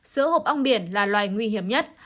sứa hộp ong biển là loài nguy hiểm nhất